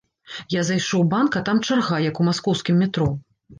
Я зайшоў у банк, а там чарга, як у маскоўскім метро.